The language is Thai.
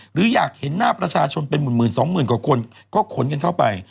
หรืออยากเห็นหน้าประชาชนเป็นหมื่นสองหมื่นกว่าคนก็ขนกันเข้าไป